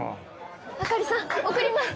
あかりさん送ります